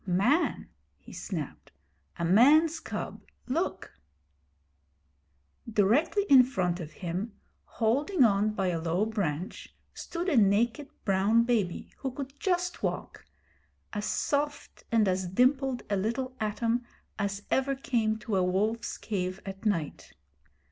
'Man!' he snapped. 'A man's cub. Look!' Directly in front of him, holding on by a low branch, stood a naked brown baby who could just walk as soft and as dimpled a little atom as ever came to a wolf's cave at night.